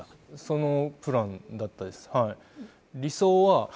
そのプランだったですはい。